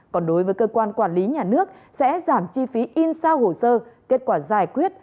còn đối với cơ quan quản lý nhà nước sẽ giảm chi phí in sao hồ sơ kết quả giải quyết